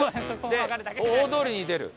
で大通りに出る。